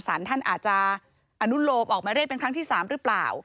สารท่านอาจจะอนุโลมออกมาเรียกเป็นครั้งที่๓หรือเปล่า